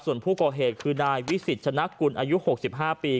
ส่วนผู้ก่อเหตุคือนายวิสิตชนะกุลอายุ๖๕ปี